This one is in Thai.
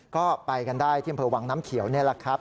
ก็ไปกันได้ที่อำเภอวังน้ำเขียวนี่แหละครับ